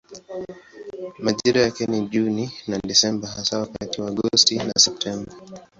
Majira yake ni Juni na Desemba hasa wakati wa Agosti na Septemba.